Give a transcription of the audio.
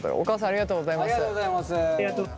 ありがとうございます。